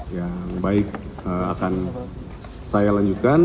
yang baik akan saya lanjutkan